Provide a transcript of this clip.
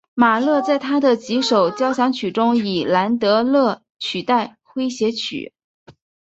马勒在他的几首交响曲中以兰德勒取代诙谐曲。